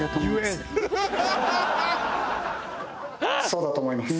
そうだと思います。